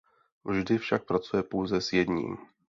Vždy však pracuje pouze s jedním.